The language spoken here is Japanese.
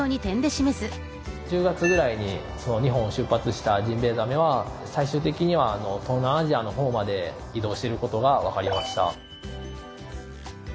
１０月ぐらいに日本を出発したジンベエザメは最終的には東南アジアの方まで移動していることが分かりました。